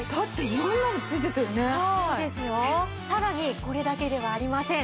さらにこれだけではありません。